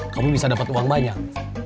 kamu bisa dapat uang banyak